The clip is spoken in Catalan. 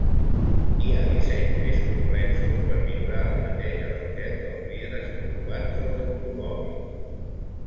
Hi ha dissenys més complexos per millorar la neteja del gel dels vidres corbats dels automòbils.